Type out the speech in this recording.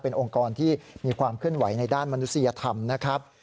เป็นองค์กรที่มีความเคลื่อนไหวในด้านมนุษยธรรมนะครับ